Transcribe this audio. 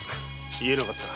言えなかった。